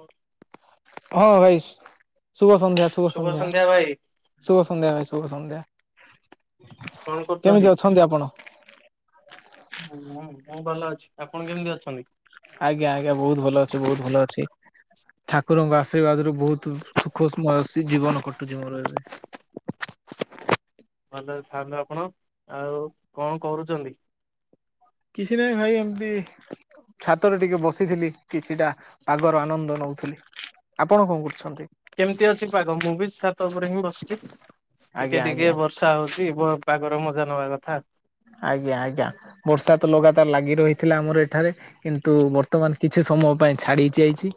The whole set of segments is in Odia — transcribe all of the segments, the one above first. କୋଉଠି? ହଁ ଭାଇସ ଶୁଭ ସନ୍ଧ୍ୟା, ଶୁଭ ସନ୍ଧ୍ୟା, ଶୁଭ ସନ୍ଧ୍ୟା, ଭାଇ ଶୁଭ ସନ୍ଧ୍ୟା। କଣ କରୁଛନ୍ତି? କେମିତି ଅଛନ୍ତି ଆପଣ? ମୁ ଭଲ ଅଛି। ଆପଣ କେମିତି ଅଛନ୍ତି? ଆଜ୍ଞା ଆଜ୍ଞା ବହୁତୁ ଭଲ ଅଛି ବହୁତୁ ଭଲ ଅଛି। [inaudible] ଠାକୁରଙ୍କ ଆଶୀର୍ବାଦ ରୁ ବହୁତୁ ସୁଖସ୍ମୟସି ଜୀବନ କଟୁଛି ମୋର ଏବେ। [inaudible] ଭଲରେ ଥାଆନ୍ତୁ ଆପଣ ଆଉ କଣ କରୁଛନ୍ତି? କିଛି ନାହିଁ ଭାଇ ଏମତି। ଛାତରେ ଟିକେ ବସିଥିଲି କିଛିଟା ପଗର ଆନନ୍ଦ ନଉଥିଲି। ଆପଣ କଣ କରୁଛନ୍ତି? କେମିତି ଅଛି ପାଗ? ମୁଁ ବି ଛାତ ଉପରେ ହିଁ ବସିଛି ଟିକେ ଆଜ୍ଞା ଟିକେ ଆଜ୍ଞା ବର୍ଷା ହଉଛି। କୁହ ପାଗର ମଜା ନବା କଥା। ଆଜ୍ଞା, ଆଜ୍ଞା, ବର୍ଷା ତ ଲଗାତାର ଲାଗି ରହିଥିଲା ଆମର ଏଠାରେ କିନ୍ତୁ ବର୍ତ୍ତମାନ କିଛି ସମୟ ପାଇଁ ଛାଡି ଯାଇଛି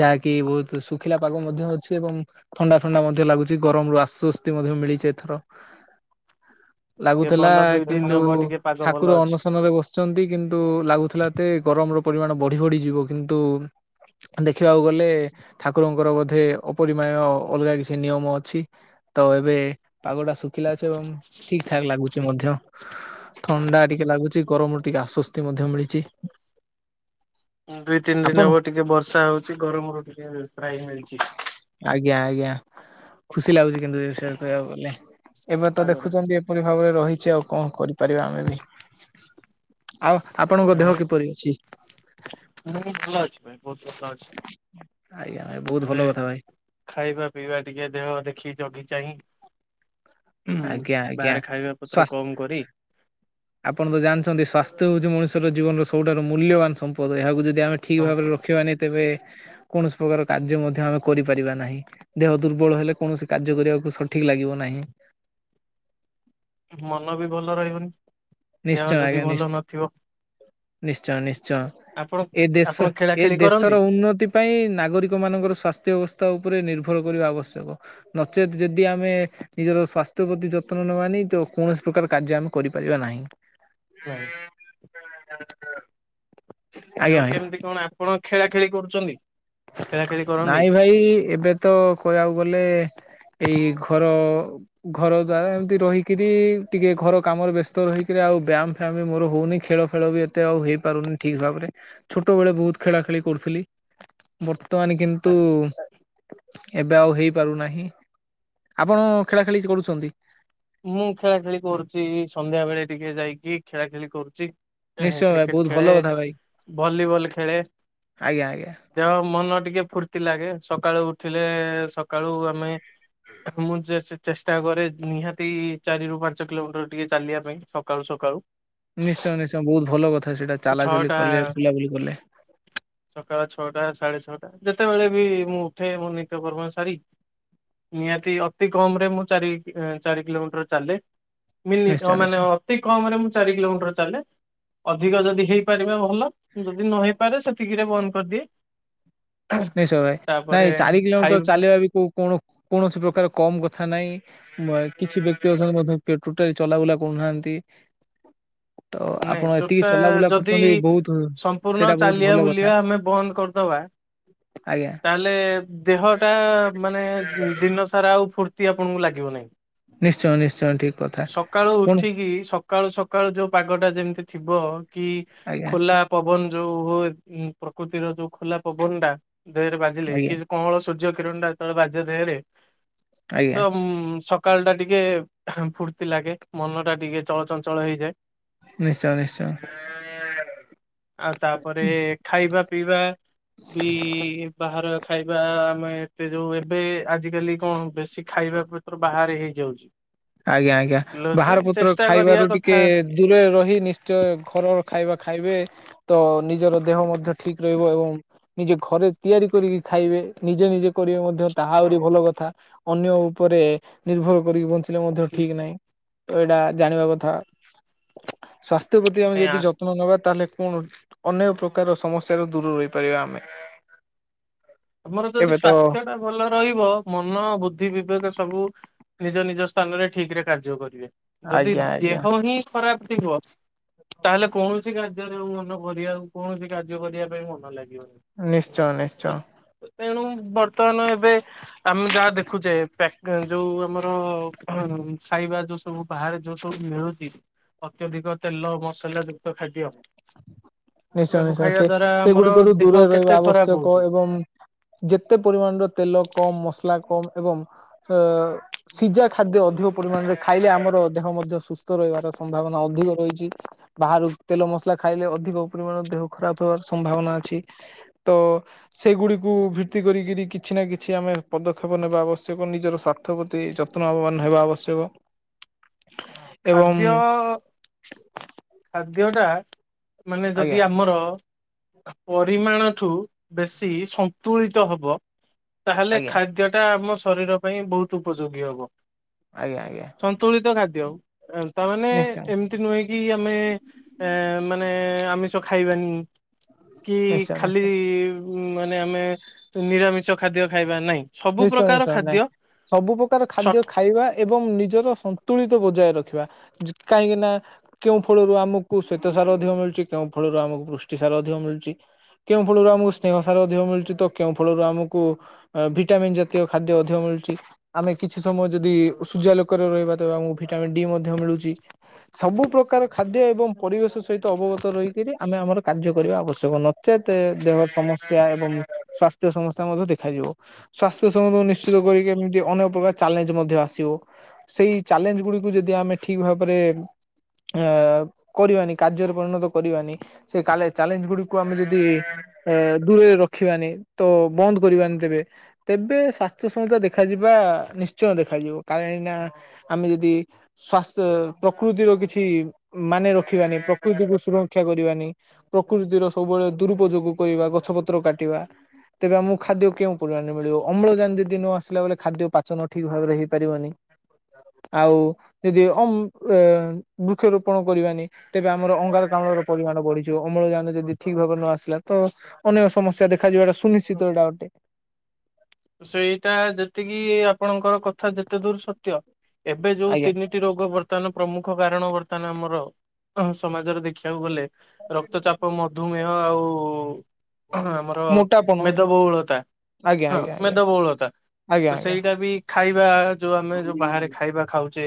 ଯାହାକି ବହୁତୁ ଶୁଖିଲା ପାଗ ମଧ୍ୟ ଅଛି ଏବଂ ଥଣ୍ଡା ଥଣ୍ଡା ମଧ୍ୟ ଲାଗୁଛି ଗରମରୁ ଆଶ୍ୱସ୍ତି ମଧ୍ୟ ମିଳିଛି ଏଥର। [inaudible] ଲାଗୁଥିଲା ଭଲ ଦୁଇ ଦିନ କିନ୍ତୁ ହବ ଟିକେ ପାଗ ଭଲ ଠାକୁର ଅଛି। ଅନଶନରେ ବସିଛନ୍ତି କିନ୍ତୁ ଲାଗୁଥିଲା ଏତେ ଗରମ ର ପରିମାଣ ବଢି ବଢିଯିବ କିନ୍ତୁ ଦେଖିବାକୁ ଗଲେ ଠାକୁରଙ୍କର ବୋଧେ ଅପରିମାୟ ଅଲଗା କିଛି ନିୟମ ଅଛି। ତ ଏବେ ପାଗ ଟା ଶୁଖିଲା ଅଛି ଏବଂ ଠିକ୍ ଠାକ୍ ଲାଗୁଛି ମଧ୍ୟ। ଥଣ୍ଡା ଟିକେ ଲାଗୁଛି ଗରମରୁ ଟିକେ ଆଶ୍ଵସ୍ତି ମଧ୍ୟ ମିଳିଛି। ଦୁଇ ତିନି ଦିନି ଆପଣ ହବ ଟିକେ ବର୍ଷା ହଉଚି ଗରମରୁ ଟିକେ ତ୍ରାହି ମିଳିଛି। ଆଜ୍ଞା ଆଜ୍ଞା। ଖୁସି ଲାଗୁଛି କିନ୍ତୁ ଏ ବିଷୟରେ କହିବାକୁ ଗଲେ, ଏବେ ତ ପାଗଟା। ଦେଖୁଛନ୍ତି ଏପରି ଭାବରେ ରହିଛି ଆଉ। କଣ କରିପାରିବା ଆମେ ବି, ଆଉ ଆପଣଙ୍କ ଦେହ ଆଉ କିପରି ଅଛି? ସୁସ୍ତ ଅଛି, ଆଜ୍ଞା ଭାଇ ବହୁତ ଭଲ ଏବେ କଥା ଭାଇ। ଖାଇବା ପିଇବା ଟିକେ ଦେହ ଦେଖିକି। ଜଗି ଚାହିଁ ଉଁହୁ ଆଜ୍ଞା ଆଜ୍ଞା ବାହାରେ ଖାଇବା ସ୍ୱା ପତ୍ର କମ୍ କରି। ଆପଣ ତ ଜାଣିଛନ୍ତି ସ୍ୱାସ୍ଥ୍ୟ ହଉଛି ମଣିଷର ଜୀବନର ସବୁଠାରୁ ମୂଲ୍ୟବାନ ସମ୍ପଦ ଏହାକୁ ଯଦି ଯଦି ଆମେ ଠିକ୍ ଭାବରେ ରଖିବାନି ତେବେ କୌଣସି ପ୍ରକାର କାର୍ଯ୍ୟ ମଧ୍ୟ ଆମେ କରିପାରିବା ନାହିଁ ଦେହ ଦୁର୍ବଳ ହେଲେ କୌଣସି କାର୍ଯ୍ୟ କରିବାକୁ ସଠିକ୍ ଲାଗିବ ନାହିଁ। [unintelligible] ମନ ବି ଭଲ ରହିବନି। ଦେହ ନିଶ୍ଚୟ ଯଦି ଆଜ୍ଞା, ଭଲ ନିଶ୍ଚୟ, ନଥିବ ନିଶ୍ଚୟଂ, ନିଶ୍ଚୟଂ। ଆପଣ ଏ ଦେଶ ଆପଣ ଖେଳା ଏ ଖେଳି କରନ୍ତି? ଦେଶର ଉନ୍ନତି ପାଇଁ ନାଗରିକ ମାନଙ୍କର ସ୍ୱାସ୍ଥ୍ୟ ଅବସ୍ଥା ସ୍ତା ଉପରେ ନିର୍ଭର କରିବା ଆବଶ୍ୟକ ନଚେତ୍ ଯଦି ଆମେ ନିଜର ସ୍ୱାସ୍ଥ୍ୟ ପ୍ରତି ଯତ୍ନ ନବାନି କିନ୍ତୁ କୌଣସି ପ୍ରକାର କାର୍ଯ୍ୟ ଆମେ କରିପାରିବା ନାହିଁ। [unintelligible] ଆଜ୍ଞା ଆଉ ଭାଇ। କେମିତି କଣ ଆପଣ ଖେଳା ଖେଳି କରୁଚନ୍ତି? ନାଇଁ ଭାଇ ଏବେ ତ କହିବାକୁ ଗଲେ ଏଇ ଘର। ଘର ଦ୍ଵାରା ଏମିତି ରହିକିରି। ଟିକେ ଘର କାମରେ ବ୍ୟସ୍ତ ରହିକିରି, ଆଉ ବ୍ୟାମ୍ ଫ୍ୟାମ୍ ବି ମୋର ହୋଉନି। ଖେଳ ଫେଳ ବି ଏତେ ଆଉ ହେଇପାରୁନି ଠିକ ଭାବରେ। ଛୋଟୋ ବେଳେ ବୋହୁତ ଖେଳା ଖେଳି କରୁ ଥିଲି। ବର୍ତ୍ତମାନ କିନ୍ତୁ ଏବେ ଆଉ ହେଇପାରୁନାହିଁ। ଆପଣ ଖେଳା ଖେଳି କିଛି କରୁଛନ୍ତି। ମୁଁ ଖେଳା ଖେଳି କରୁଚି। ସନ୍ଧ୍ୟା ବେଳେ ଟିକେ ଯାଇକି। ଖେଳା ଖେଳି କରୁଚି। ଏହେଁ ନିଶ୍ଚୟ ଭାଇ କ୍ରିକେଟ ବହୁତ ଭଲ ଖେଳେ। କଥା ଭାଇ ଭଲିିବଲ୍ ଖେଳେ। ଆଜ୍ଞା ଆଜ୍ଞା ଦେହ ମନ ଟିକେ ଫୁର୍ତ୍ତି ଲାଗେ। ସକାଳୁ ଉଠିଲେ, ସକାଳୁ ଆମେ ମୁଁ ଯେ, ସେ ଚେଷ୍ଟା କରେ। ନିହାତି ତି ଚାରି ରୁ ପାଞ୍ଚ କିଲୋମିଟର ଟିକେ ଚାଲିବା ପାଇଁ। ସକାଳୁ ସକାଳୁ। ନିଶ୍ଚୟ ନିଶ୍ଚୟ ବୋହୁତ ଭଲ କଥା ସେଇଟା ଚାଲାଚଲି ଛଅଟା କଲେ ବୁଲାବୁଲି କଲେ। ସକାଳ ଛଅଟା ସା ଯେତେବେଳେ ବି ମୁଁ ଉଠେ ମୁଁ ନିତ କର୍ମ ସାରି ନିହାତି ଅତି କମ ରେ ମୁଁ ଚାରି ଏଁ ଚାରି କିଲୋମିଟର ଚାଲେ। ମିନି ଅଁ ନିଶ୍ଚୟ ମାନେ ନିଶ୍ଚୟ ଅତି କମରେ ମୁଁ ଚାରି କିଲୋମିଟର ଚାଲେ। ଅଧିକ ଯଦି ହେଇପାରିବ ଭଲ। ଯଦି ନହେଇପାରେ ସେତିକିରେ ବନ୍ଦ କରିଦିଏ। ନାଇଁ ସ ଭାଇ। ତାପରେ ନାଇଁ ଚାରି କିଲୋମିଟର ଖାଇବା ଚାଲିବା ବି କୋଉ କୋଣୋ କୌଣୋସି ପ୍ରକାର କମ କଥା ନାଇଁ। ମୟ କିଛି ବ୍ୟକ୍ତି [unintelligible] ମଧ୍ୟ କି ଟୋଟାଲି ଚଲାବୁଲା କରୁନାହାନ୍ତି। ତ [inaudible] ନାଇଁ ଆପଣ ଏତିକି ଟୋଟା ଚଲାବୁଲା ଯଦି କରୁଛନ୍ତି ବହୁତ ସମ୍ପୂର୍ଣ ସେଇଟା ବହୁତ ଚାଲିବା ଭଲ କଥା ବୁଲିବା ଆମେ ବନ୍ଦ କରିଦବା। ବା। ଆଜ୍ଞା। ତାହେଲେ ଦେହଟା ମାନେ ଦିନ ସାରା ଆଉ ଫୁର୍ତ୍ତି ଆପଣଙ୍କୁ ଲାଗିବ ନାହିଁ। ନିଶ୍ଚୟ ନିଶ୍ଚୟ ଠିକ କଥା ସକାଳୁ କଣ ଉଠିକିରି ସକାଳୁ ସକାଳୁ ଯୋଉ ପାଗ ଟା ଯେମିତି ଥିବ କି ଆଜ୍ଞା ଖୋଲା ପବନ ଯୋଉ ହୋଏ ପ୍ରକୃତିର ଯୋଉ ଖୋଲା ପବନ ଟା ଦେହେରେ ବାଜିଲେ ଆଜ୍ଞା ଯୋ କଁଅଳ ସୂର୍ଯ୍ୟ କିରଣଟା ଯେତୋବେଳେ ବାଜେ ଦେହେରେ। ଆଜ୍ଞା ତ ଉଁ ସକାଳ ଟା ଟି କେ ଫୁର୍ତ୍ତି ଲାଗେ। ମନ ଟା ଟିକେ ଚଳଚଞ୍ଚଳ ହେଇଯାଏ। ନିଶ୍ଚୟ ନିଶ୍ଚୟ। ଆଉ ତାପରେ ଖାଇବା ପିଇବା ବି ବାହାର ଖାଇବା ଆମେ ଏତେ ଯୋଉ ଏବେ ଆଜିକାଲି କଣ ବେଶୀ ଖାଇବା ପତ୍ର ବାହାରେ ହେଇଯାଉଛି। ଆଜ୍ଞା ଆଜ୍ଞା ଲୋ ତ ବାହାର ପତ୍ର ଚେଷ୍ଟା କରିବା ଖାଇବାରୁ ଟିକେ କଥା ଦୂରରେ ରହି। ନିଶ୍ଚୟ ଘରର ଖାଇବା ଖାଇବେ ତ ନିଜର ଦେହ ମଧ୍ୟ ଠିକ ରହିବ ଏବଂ ନିଜେ ଘରେ ତିଆରି କରିକି ଖାଇବେ। ନିଜେ ନିଜେ କରିବେ ମଧ୍ୟ ତାହା ଆହୁରି ଭଲ କଥା। ଅନ୍ୟ ଉପରେ ରେ ନିର୍ଭର କରିକି ବ ମଧ୍ୟ ଠିକ ନାହିଁ। ତ ଏଇଡ଼ା ଜାଣିବା କଥା। ସ୍ୱାସ୍ଥ୍ୟ ପ୍ରତି ଆମେ ନାଇଁ ଆ ଯଦି ଯତ୍ନ ନବା ତାହେଲେ କଣ ଅନେକ ପ୍ରକାର ସମସ୍ୟାରୁ ଦୂରରେ ରହିପାରିବା ଆମେ। ଆମର ଯଦି ଏବେ ତ ସ୍ଵାସ୍ଥ୍ୟ ଟା ଭଲ ରହିବ। ମନ, ବୁଦ୍ଧି, ବିବେକ ସବୁ ନିଜ ନିଜ ସ୍ଥାନରେ ଠିକ ରେ କାର୍ଯ୍ୟ କରିବେ। ଯଦି ଆଜ୍ଞା ଆଜ୍ଞା ଦେହ ହିଁ ଖରାପ ଥିବ। ତାହେଲେ କୌଣୋସି କାର୍ଯ୍ୟରେ ଆଉ ମନ କରିବା କୌଣୋସି କାର୍ଯ୍ୟ କରିବା ପାଇଁ ମନ ଲା ନିଶ୍ଚୟ ନିଶ୍ଚୟ। ତେଣୁ ବର୍ତ୍ତମାନ ଏବେ ଆମେ ଯାହା ଦେଖୁଛେ ପ୍ୟାକ୍ ଯୋଉ ଆମର ଖାଇବା ଯୋଉ ସବୁ ବାହାରେ ଯୋଉ ସବୁ ମିଳୁଚି। ଅତ୍ୟଧିକ ତେଲ ମସଲା ଯୁକ୍ତ ଖାଦ୍ୟ। ନିଶ୍ଚୟ ତାକୁ ନିଶ୍ଚୟ ଖାଇବା ସେ ଦ୍ଵାରା ଆମର ସେଗୁଡିକରୁ ଦେହ ଦୂରରେ ରହିବା କେତେ ଖରାପ ଆବଶ୍ୟକ ହଉଛି। ଏବଂ ଯେତେ ପରିମାଣର ତେଲ କମ ମସଲା କମ ଏବଂ ଅ ସିଜା ଖାଦ୍ ଦ୍ୟ ଅଧିକ ପରିମାଣରେ ଖାଇଲେ ଆମର ଦେହ ମଧ୍ୟ ସୁସ୍ଥ ରହିବାର ସମ୍ଭାବନା ଅଧିକ ରହିଚି। ବାହାରୁ ତେଲ ମସଲା ଖାଇଲେ। ଅଧିକ ପରିମାଣ ଦେହ ଖରାପ ହେବାର ସମ୍ଭାବନା ଅଛି। ତ ସେଗୁଡିକୁ ଭିତି ତି କରିକରି କିଛି ନା କିଛି। ଆମେ ପଦକ୍ଷେପ ନେବା ଆବଶ୍ୟକ। ନିଜର ସ୍ୱାର୍ଥପ୍ରତି, ଯତ୍ନବାନ ହେବା ଆବଶ୍ୟକ। [inaudible] ଏବଂ ଖାଦ୍ୟ-ଅ ଖାଦ୍ୟ ଟା ମାନେ ଯଦି ଆଜ୍ଞା ଆମର ପରିମାଣ ଠୁ ବେଶୀ ସନ୍ତୁଳିତ ହବ। ତାହେଲେ, ଆଜ୍ଞା ଖାଦ୍ୟ ଟା ଆମ ଶରୀର ପାଇଁ ବହୁତ ଉପଯୋଗୀ ହବ। ଆଜ୍ଞା ଆଜ୍ଞା ସନ୍ତୁଳିତ ଖାଦ୍ୟ। ତା'ମାନେ ନିଶ୍ଚୟ ଏମିତି ନୁହେଁ କିି ଆମେ ଏଁ ମାନେ, ଆମିଷ ଖାଇବାନି। କି ନିଶ୍ଚୟ ନିଶ୍ଚୟ ଖାଲି ଉଁ ମାନେ ଆମେ ନିରାମିଷା ଖାଦ୍ୟ ଖାଇବା ନାହିଁ। ସବୁ ନିଶ୍ଚୟ ପ୍ରକାର ନିଶ୍ଚୟ ନାଇଁ ଖାଦ୍ୟ ସବୁ ପ୍ରକାର ସ ଖାଦ୍ୟ ଖାଇବା ଏବଂ ନିଜ ନିଜର ସନ୍ତୁଳିତ ବଜାୟ ରଖିବା କାହିଁକି ନା କେଉଁ ଫଳରୁ ଆମକୁ ଶ୍ଵେତ ସାର ଅଧିକ ମିଳୁ ଚି କେଉଁ ଫଳରୁ ଆମକୁ ପୃଷ୍ଟି ସାର ଅଧିକ ମିଳୁଚି? କେଉଁ ଫଳରୁ ଆମକୁ ସ୍ନେହ ସାର ଅଧିକ ମିଳୁଛି ତ କେଉଁ ଫଳରୁ ଆମକୁ ଭି ଭିଟାମିନ ଯାତ୍ୟ ଖାଦ୍ୟ ଅଧିକ ମିଳୁଚି। ଆମେ କିଛି ସମୟ ଯଦି ସୂର୍ଯ୍ୟ ଆଲୋକରେ ରହିବା, ତେବେ ଆମକୁ ଭିଟାମିନ ଡି ମଧ୍ୟ ମିଳୁଚି। ସବୁ ପ୍ରକାର ଖାଦ୍ୟ ଏବଂ ପରିବେଶ ସହିତ ଅବଗତ ରହିକିରି, ଆମେ ଆମର କାର୍ଯ୍ୟ କରିବା ଆବଶ୍ୟକ। ନଚେତେ, ଦେହର ସମସ୍ୟା ଏବଂ ସ୍ୱାସ୍ଥ୍ୟ ସମସ୍ୟା ମଧ୍ୟ ଦେଖାଯିବ। ସ୍ୱାସ୍ଥ୍ୟ ସମଦ ନିଶ୍ଚିତ କରିକି, ଏମିତି ଅନେକ ପ୍ରକାର ଚ୍ୟାଲେଞ୍ଜ ମଧ୍ୟ ଆସିବ ସେଇ ଚ୍ୟାଲେଞ୍ଜ ଗୁଡିକୁ ଯଦି ଆମେ ଠିକ୍ ଭାବରେ ଅଁ କରିବାନି, କାର୍ଯ୍ୟରେ ପରିଣତ କରିବାନି। ସେ କା ଚ୍ୟାଲେଞ୍ଜ ଗୁଡିକୁ ଆମେ ଯଦି ଏଁ ଦୂରରେ ରଖିବାନି। ତ ବନ୍ଦ କରିବାନି ତେବେ ତେବେ ସ୍ୱାସ୍ଥ୍ୟସମସ୍ୟା ଦେଖାଯିବା, ନିଶ୍ଚୟ ଦେଖାଯିବ। କାଇଁକିନା ଆମେ ଯଦି ସୁ ସ୍ଵାସ୍ଥ୍ୟ, ପ୍ରକୃତିର କିଛି ମାନେ ରଖିବାନି। ପ୍ରକୃତିକୁ ସୁରକ୍ଷା କରିବାନି। ପକ୍ କୃତିର ସବୁବେଳେ ଦୁରୁପଯୋଗ କରିବା, ଗଛ ପତ୍ର କାଟିବା, ତେବେ ଆମକୁ ଖାଦ୍ୟ କେଉଁ ପରିମାଣରେ ମିଳିବ? ଅମ୍ଳଜାନ ଯଦି ନ ଆସିଲା ବେଲେ, ମାନେ ଖାଦ୍ୟ ପାଚନ ଠିକ୍ ଭାବରେ ହେଇପାରିବନି। ଆଉ ଯଦି ଅମ୍ ଅ ବୃକ୍ଷରୋପଣ କରିବାନି! ତେବେ ଆମର ଅଙ୍ଗାର କାମ ଅମ୍ଳ ର ପରିମାଣ ବଢିଯିବ। ଅମ୍ଳଜାନ ଯଦି ଠିକ୍ ଭାବରେ ନ ଆସିଲା! ତ ଅନେକ ସମସ୍ୟା ଦେଖାଯିବାଟା ସୁନିଶ୍ଚିତ! ଏଟା ଅଟେ ସେଇଟା ଯେତିକି ଆପଣଙ୍କର କଥା ଯେତେ ଦୂର ସତ୍ୟ ଏବେ ଯୋଉ ଆଜ୍ଞା। ତିନିଟି ରୋଗ, ବର୍ତ୍ତମାନ ପ୍ରମୁ ମୁଖ କାରଣ ବର୍ତ୍ତମାନ ଆମର, ଅହ ସମାଜରେ ଦେଖିବାକୁ ଗଲେ ରକ୍ତ ଚାପ, ମଧୁମେହ ଆଉ ଅ ହ ଆମର ମୋଟାପଣ ମେଦବହୁଳତା ଆଜ୍ଞା ହଁ ଆଜ୍ଞା ଆଜ୍ଞା ମେଦବହୁଳତା। ଆଜ୍ଞା ତ ଆଜ୍ଞା ସେଇଟା ବି ଖାଇବା, ଯୋଉ ଆମେ ଯୋଉ ବାହାରେ ଖାଇବା ଖାଉଚେ।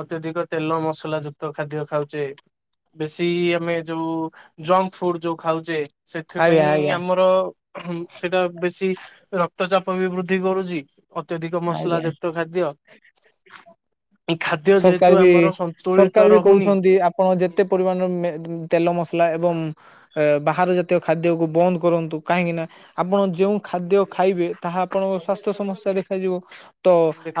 ଅତ୍ୟଧିକ ତେଲ ମସଲା ଯୁକ୍ତ ଖାଦ୍ୟ ଖାଉଚେ। ବେଶୀ ଆମେ ଯୋଉ-ଉ, ଜଙ୍କ ଫୁଡ୍ ଯୋଉ ଖାଉଚେ ସେଥିପାଇଁ, ଆଜ୍ଞା ଆଜ୍ଞା ଆମର ସେଇଟା ବେଶୀ ର ରକ୍ତ ଚାପ ବି ବୃଦ୍ଧି କରୁଛି, ଅତ୍ୟଧିକ ମସଲା ଆଜ୍ଞା। ଯୁକ୍ତ ଖାଦ୍ୟ। ଖାଦ୍ୟ ସରକାର ଯେହେତୁ ବି ଆମର ସନ୍ ସରକାର ବି କହୁଛନ୍ତି, ଆପଣ ଯେତେ ପରିମାଣର ମେ ତେଲ ମସଲା ଏବଂ ଏ ବାହାର ଜାତୀୟ ଖାଦ୍ୟକୁ ବନ୍ଦ କରନ୍ତୁ। କାହିଁକି ନା! ଆପଣ ଯେଉଁ ଖାଦ୍ୟ ଖାଇବେ, ତାହା ଆପଣ ସ୍ୱାସ୍ଥ୍ୟ ସମସ୍ୟା ଦେଖାଯିବ। ତ,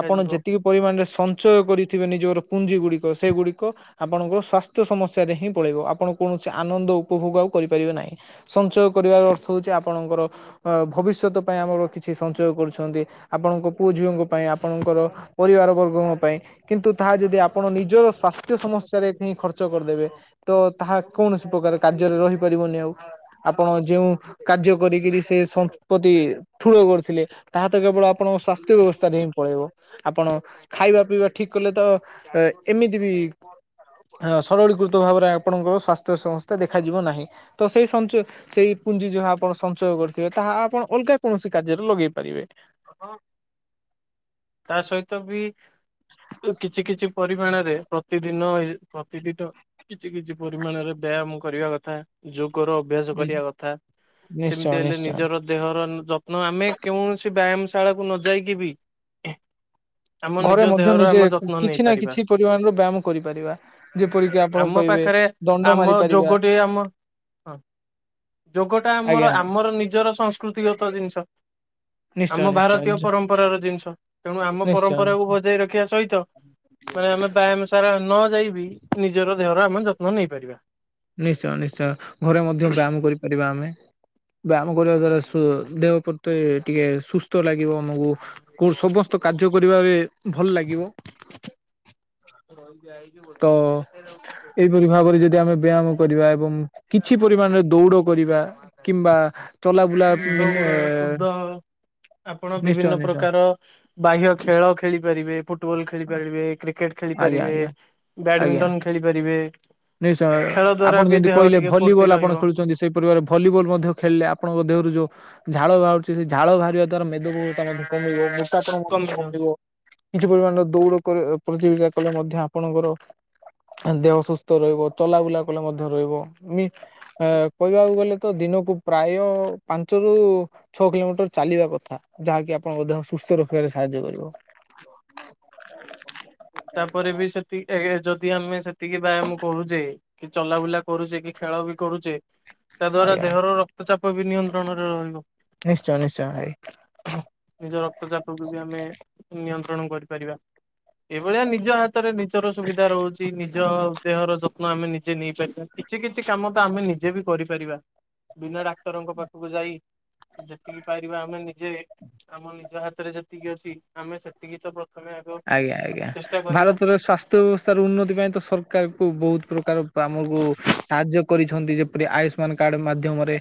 ଆପଣ ଯେତିକି ପରିମାଣରେ ସଂଚୟ କରି ନିଜର ପୁଞ୍ଜି ଗୁଡ଼ିକ, ସେଗୁଡ଼ିକ ଆପଣଙ୍କ ସ୍ୱାସ୍ଥ୍ୟ ସମସ୍ୟାରେ ହିଁ ପଳେଇବ। ଆପଣ କୌଣସି ଆନନ୍ଦ ଉପଭୋଗ ଆଉ କରିପାରିବେ ନାହିଁ। ସଞ୍ଚୟ କରିବାର ଅର୍ଥ ହଉଛି, ଆପଣଙ୍କର ଅଁ ଭବିଷ୍ୟତ ପାଇଁ ଆମର କିଛି ସଞ୍ଚୟ କରୁଛନ୍ତି, ଆପଣଙ୍କ ପୁଅ ଝିଅଙ୍କ ପାଇଁ ଆପଣଙ୍କର ପରିବାର ବର୍ଗଙ୍କ ପାଇଁ। କିନ୍ତୁ, ତାହା ଯଦି ଆପଣ ନିଜର ସ୍ୱାସ୍ଥ୍ୟ ସମସ୍ୟା ରେ ହିଁ ଖର୍ ର୍ଚ କରିଦେବେ। ତ ତାହା କୌଣସି ପ୍ରକାର କାର୍ଯ୍ୟରେ ରହିପାରିବନି ଆଉ। ଆପଣ ଯେଉଁ କାର୍ଯ୍ୟ କରିକିରି, ସେ ସମ୍ପତ୍ତି ଠୁଳ କରୁଥିଲେ, ତାହା ତ କେବଳ ଆପଣ ସ୍ୱାସ୍ଥ୍ୟ ବ୍ୟବସ୍ଥା ରେ ହିଁ ପଳେଇବ। ଆପଣ ଖାଇବା ପିଇବା ଠିକ୍ କଲେ ତ, ଏମିତି ବି ଆ ସରଳୀକୃତ ଭାବରେ ଆପଣଙ୍କର ସ୍ୱାସ୍ଥ୍ୟ ସଂସ୍ଥା ଦେଖାଯିବ ନାହିଁ ତ ସେଇ ସଞ୍ଚ ସେଇ ପୁଞ୍ଜି ଯାହା ଆପଣ ସଞ୍ଚୟ କରିଥିବେ ତାହା ଆପଣ ଅଲଗା କୌଣସି କାର୍ଯ୍ୟରେ ଲଗେଇ ପାରିବେ। [inaudible] ତା ସହିତ ବି କିଛି କିଛି ପରିମାଣରେ ପ୍ରତିଦିନ ଏ ପ୍ରତିଦିନ କିଛି କିଛି ପରିମାଣରେ ବ୍ୟାୟାମ କରିବା କଥା ଯୋଗର ଅଭ୍ୟାସ ହୁଁ କରିବା କଥା। ନିଶ୍ଚୟ ସେମିତି ହେଲେ ନିଶ୍ଚୟ ନିଜର ଦେହର ଯତ୍ନ ଆମେ କୌଣସି ବ୍ୟାୟାମ ଶାଳାକୁ ନ ଯାଇକି ବି ଆମ ନିଜ ଘରେ ମଧ୍ୟ ଦେହର ନିଜେ ଆମ ଯତ୍ନ କିଛି ନା ନେଇପାରିବା କିଛି ପରିମାଣର ବ୍ୟାୟାମ କରିପାରିବା ଯେପରିକି ଆପଣ ଆମ କହିବେ? ପାଖରେ ଦଣ୍ଡ ମାରି ଆମ ପାରିବା ଯୋଗଠି ଆମ ହଁ। ଯୋଗଟା ଆମର ଆଜ୍ଞା ଆମର ନିଜର ସଂସ୍କୃତିଗତ ଜିନିଷ। ଆମ ନିଶ୍ଚୟ ନିଶ୍ଚୟ ଭାରତୀୟ ପରମ୍ପରାର ଜିନିଷ। ତେଣୁ ଆମ ନିଶ୍ଚୟ ପରମ୍ପରାକୁୁ ନିଶ୍ଚୟ। ବଜେଇ ରଖିବା ସହିତ ମାନେ ଆମେ ବ୍ୟାୟାମ ସାରା ନ ଯାଇ ବିି ନିଜର ଦେହର ଆମେ ଯତ୍ନ ନେଇପାରିବା। ନିଶ୍ଚୟ ନିଶ୍ଚୟ ଘରେ ମଧ୍ୟ ବ୍ୟାୟାମ କରିପାରିବା ଆମେ ବ୍ୟାୟାମ କରିବା ଦ୍ଵାରା ସ ଦେହ ପ୍ରତି ଟିକେ ସୁସ୍ଥ ଲାଗିବ ଆମକୁ କୁଂ ସମସ୍ତ କାର୍ଯ୍ୟ କରିବାରେ ଭଲ ଲାଗିବ। ତ ଏଇପରି ଭାବରେ ଯଦି ଆମେ ବ୍ୟାମ କରିବା ଏବଂ କିଛି ପରିମାଣରେ ଦୌଡ଼ କରିବା କିମ୍ବା ଚଲାବୁଲା ଦୌଡ଼ କୁଦ। ଆପଣ ନିଶ୍ଚୟ ବିଭିନ୍ନ ନିଶ୍ଚୟ ପ୍ରକାର ବାହ୍ୟ ଖେଳ ଖେଳିପାରିବେ। ପୁ ଫୁଟବଲ ଖେଳି ପାରିବେ କ୍ରିକେଟ ଆଜ୍ଞା ଖେଳିପାରିବେ ଆଜ୍ଞା ଆଜ୍ଞା ବ୍ୟାଡମିଟନ ଖେଳିପାରିବେ। ନିଶ୍ଚୟ ଆପଣ ଯଦି କହିଲେ ଟିକେ ଫୁର୍ତ୍ତି ଭଲିବଲ ଆପଣ ରହିବ ଖେଳୁଛନ୍ତି ସେଇପରି ଭାବରେ ଭଲିବଲ ମଧ୍ୟ ଖେଳିଲେ ଆପଣଙ୍କ ଦେହରୁ ଯୋଉ ଝାଳ ବାହାରୁଛି ସେ ଝାଳ ବାହାରିବା। ତାର ମେଦ ବହୁଳତା କମିବ ମୋଟା ପଣ ମଧ୍ୟ କମି କମିବ। ଯାଉଛି। କିଛି ପରିମାଣର ଦୌଡ଼ କରି ପ୍ରତିଯୋଗିତା କଲେ ମଧ୍ୟ ଆପଣଙ୍କର ଦେହ ସୁସ୍ଥ ତ ରହିବ ଚଲାବୁଲା କଲେ ମଧ୍ୟ ରହିବ ମି ଆ କହିବାକୁ ଗଲେ ତ ଦିନକୁ ପ୍ରାୟ ପାଞ୍ଚ ରୁ ଛଅ କିଲୋମିଟର ଚାଲିବା କଥା ଯାହାକି ଆପଣ ସୁସ୍ଥ ରଖିବାରେ ସାହାଯ୍ୟ କରିବ। ତାପରେ ବି ସେତିଟା ହେ ଯଦି ଆମେ ସେତିକି ବ୍ୟାୟାମ କରୁଛେ କି ଚଲାବୁଲା କରୁଛେ, କି ଖେଳ ବି କରୁଛେ ତା ଦ୍ଵାରା ଆଜ୍ଞା ଦେହର ରକ୍ତ ଚାପ ବି ନିୟନ୍ତ୍ରଣରେ ରହିବ। ନିଶ୍ଚୟ ନିଶ୍ଚୟ ଭାଇ ନିଜ ରକ୍ତ ଚାପକୁ ବି ଆମେ ନିୟନ୍ତ୍ରଣ କରିପାରିବା। ଏଇଭଳିଆ ନିଜ ହାତରେ ନିଜର ସୁବିଧା ରହୁଛି ନିଜ ଦେହର ଯତ୍ନ ଆମେ ନିଜେ ନେଇପାରିବା କିଛି କିଛି କାମ ତ ଆମେ ନିଜେ ବି କରିପାରିବା। ବିନା ଡାକ୍ତରଙ୍କ ପାଖକୁ ଯାଇ। ଯେତିକି ପାରିବା ଆମେ ନିଜେ ଆମ ନିଜ ହାତରେ ଯେତିକି ଅଛି ଆମେ ସେତିକି ତ ପ୍ର ତମେ ଆଗ ଆଜ୍ଞା ଆଜ୍ଞା ଚେଷ୍ଟା କରିବା ଭାରତର ସ୍ୱାସ୍ଥ୍ୟ ବ୍ୟବସ୍ଥାର ଉନ୍ନତି ପାଇଁ ତ ସରକାରକୁ ବହୁତ ପ୍ରକାର ଆମକୁ ସାହାଯ୍ୟ କରିଛି। ଯେପରି ଆୟୁଷ୍ମାନ କାର୍ଡ ମାଧ୍ୟମରେ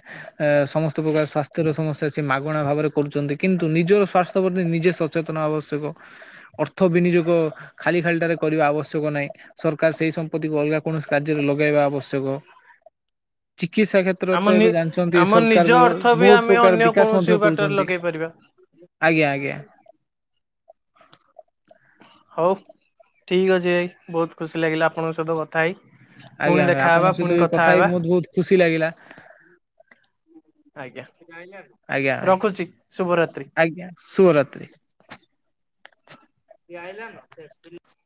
ଏ ସମସ୍ତ ପ୍ରକାର ସ୍ୱାସ୍ଥ୍ୟର ସମସ୍ୟା ସେ ମାଗଣା ଭାବରେ କର କିନ୍ତୁ ନିଜ ସ୍ୱାସ୍ଥ୍ୟ ପ୍ରତି ନିଜେ ସଚେତନ ଆବଶ୍ୟକ। ଅର୍ଥ ବିନିଯୋଗ ଖାଲି ଖାଲିଟାରେ କରିବା ଆବଶ୍ୟକ ନାହିଁ ସରକାର ସେଇ ସମ୍ପତ୍ତିକୁ ଅଲଗା କୌଣସି କାର୍ଯ୍ୟରେ ଲ ଗାଇବା ଆବଶ୍ୟକ। ଚିକିତ୍ସା କ୍ଷେତ୍ରରେ ତ ଆମ ନି ଏବେ ଜାଣିଛନ୍ତି ଆମ ସରକାର ନିଜ ଅର୍ଥ ବି ବହୁତ ଆମେ ପ୍ରକାର ଅନ୍ୟ ବିକାଶ ମଧ୍ୟ କୌଣସି ବାଟରେ କରୁଛନ୍ତି। ଲଗେଇ ପାରିବା। ଆଜ୍ଞା ଆଜ୍ଞା। ହଉ ଠିକ ଅଛି ଭାଇ ବହୁତ ଖୁସି ଲାଗିଲା ଆପଣଙ୍କ ସହିତ କଥା ହେଇ। ଆଜ୍ଞା ପୁଣି ଭାଇ ଦେଖାହବା ଆପଣଙ୍କ ସହିତ ପୁଣି ବି କଥା ହେଇ ହେବା। ମତେ ବହୁତ ଖୁସି ଲାଗିଲା। ଆଜ୍ଞା ଆଜ୍ଞା ଭାଇ ରଖୁଛି ଶୁଭରାତ୍ରି। ଆଜ୍ଞା କିଏ ଆଇଲାନ [unintelligible]